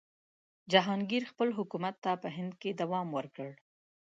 جهانګیر خپل حکومت ته په هند کې دوام ورکړ.